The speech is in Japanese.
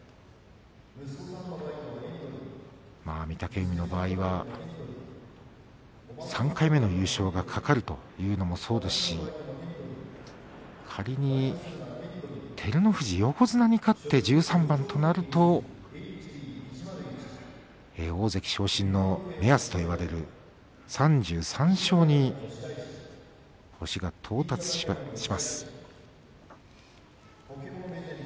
御嶽海の場合は３回目の優勝が懸かるというのもそうですし仮に照ノ富士、横綱に勝って１３番となりますと大関昇進の目安といわれる３３勝に星が到達します。